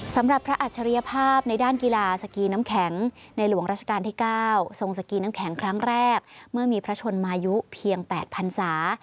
สำหรับพระอัจฉริยภาพในด้านกีฬาสกีน้ำแข็งในหลวงราชการที่๙ทรงสกีน้ำแข็งครั้งแรกเมื่อมีพระชนมายุเพียง๘พันศา